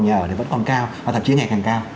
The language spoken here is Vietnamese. nhà ở thì vẫn còn cao và thậm chí ngày càng cao